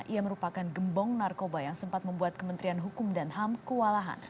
ia merupakan gembong narkoba yang sempat membuat kementerian hukum dan ham kewalahan